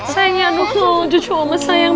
sayang ya aduh cucu omes sayang